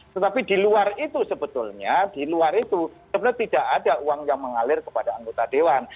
tetapi di luar itu sebetulnya di luar itu sebenarnya tidak ada uang yang mengalir kepada anggota dewan